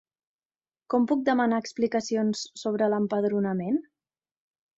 Com puc demanar explicacions sobre l'empadronament?